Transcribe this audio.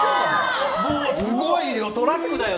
すごいよ、トラックだよ。